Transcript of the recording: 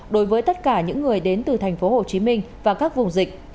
đối với tất cả những người đến từ thành phố hồ chí minh và các vùng dịch